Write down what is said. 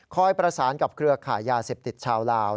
ประสานกับเครือขายยาเสพติดชาวลาว